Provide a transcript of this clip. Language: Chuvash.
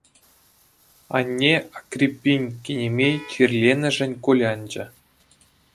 Анне Акриппин кинемей чирленӗшӗн кулянчӗ.